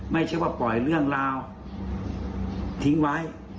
ไม่ใช่ว่าปล่อยเรื่องราวทิ้งไว้